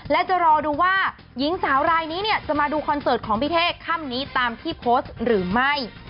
และจะรอดูว่าหญิงสาวรายนี้เนี่ยจะมาดูคอนเสิร์ตของพี่เท่ค่ำนี้ตามที่โพสต์หรือไม่